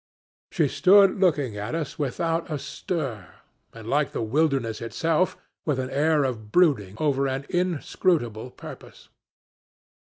She stood looking at us without a stir and like the wilderness itself, with an air of brooding over an inscrutable purpose.